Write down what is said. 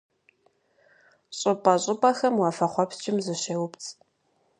ЩӀыпӀэ-щӀыпӀэхэм уафэхъуэпскӀым зыщеупцӀ.